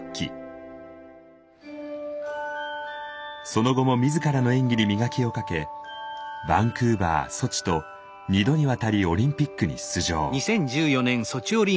その後も自らの演技に磨きをかけバンクーバーソチと２度にわたりオリンピックに出場。